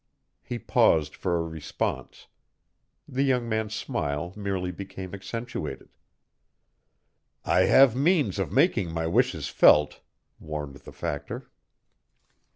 He paused for a response. The young man's smile merely became accentuated. "I have means of making my wishes felt," warned the Factor.